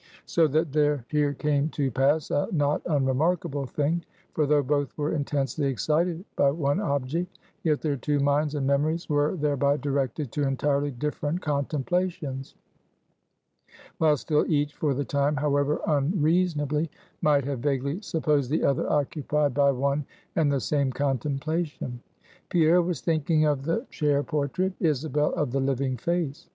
So that there here came to pass a not unremarkable thing: for though both were intensely excited by one object, yet their two minds and memories were thereby directed to entirely different contemplations; while still each, for the time however unreasonably might have vaguely supposed the other occupied by one and the same contemplation. Pierre was thinking of the chair portrait: Isabel, of the living face.